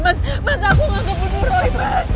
mas mas aku gak kebunuh roy